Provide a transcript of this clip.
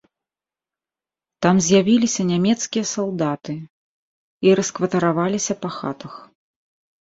Там з'явіліся нямецкія салдаты і раскватараваліся па хатах.